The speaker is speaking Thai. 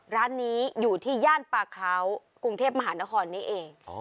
ร้านนี้อยู่ที่ย่านปลาเขากรุงเทพมหานครนี้เอง